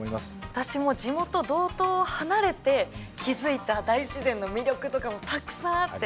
私も地元道東を離れて気付いた大自然の魅力とかもたくさんあって。